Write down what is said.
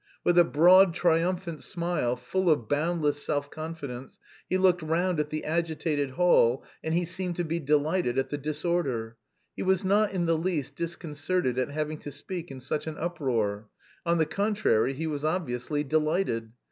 With a broad, triumphant smile, full of boundless self confidence, he looked round at the agitated hall and he seemed to be delighted at the disorder. He was not in the least disconcerted at having to speak in such an uproar, on the contrary, he was obviously delighted.